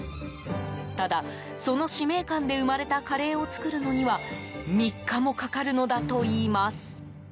ただ、その使命感で生まれたカレーを作るのには３日もかかるのだといいます。